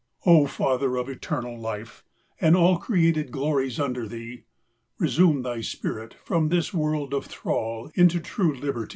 O Father of eternal life, and all Created glories under Thee ! Resume Thy spirit from this world of thrall Into true liberty!